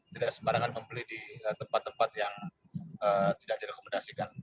tidak sembarangan membeli di tempat tempat yang tidak direkomendasikan